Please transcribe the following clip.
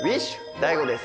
ＤＡＩＧＯです。